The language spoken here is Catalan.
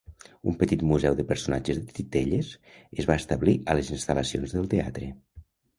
Un petit museu de personatges de titelles es va establir a les instal·lacions del teatre.